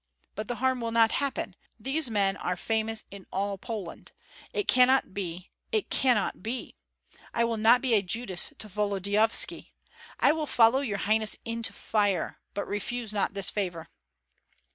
But the harm will not happen. These men are famous in all Poland. It cannot be, it cannot be! I will not be a Judas to Volodyovski. I will follow your highness into fire, but refuse not this favor."